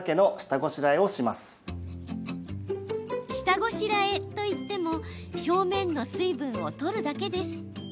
下ごしらえといっても表面の水分を取るだけです。